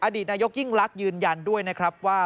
ดีตนายกยิ่งลักษณ์ยืนยันด้วยนะครับว่า